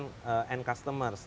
jadi ini sudah di badan pangan